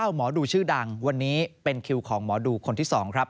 หมอดูชื่อดังวันนี้เป็นคิวของหมอดูคนที่๒ครับ